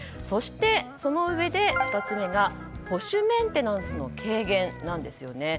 そして、そのうえで２つ目が保守メンテナンスの軽減なんです。